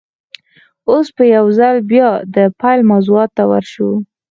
اوس به يوځل بيا د پيل موضوع ته ور شو.